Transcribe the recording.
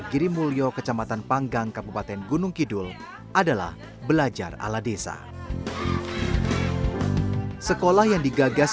girimulyo kecamatan panggang kabupaten gunung kidul adalah belajar ala desa sekolah yang digagas